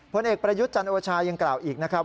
ผลเอกประยุทธ์จันโอชายังกล่าวอีกนะครับ